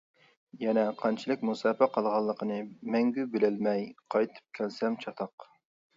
يەنە قانچىلىك مۇساپە قالغانلىقىنى مەڭگۈ بىلەلمەي قايتىپ كەلسەم چاتاق.